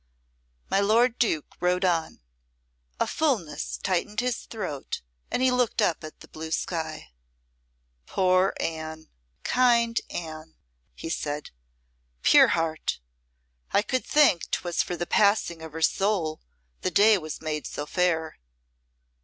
My lord Duke rode on. A fulness tightened his throat and he looked up at the blue sky. "Poor Anne! Kind Anne!" he said. "Pure heart! I could think 'twas for the passing of her soul the day was made so fair."